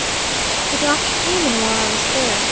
The doctor came in while I was there.